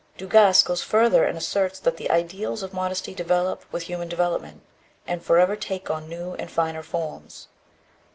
Dugas goes further, and asserts that the ideals of modesty develop with human development, and forever take on new and finer forms.